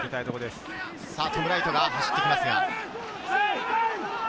トム・ライトが走ってきます。